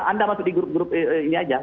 anda masuk di grup grup ini aja